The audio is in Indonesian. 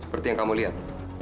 seperti yang kamu lihat